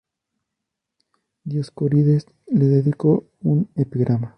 Dioscórides le dedicó un epigrama.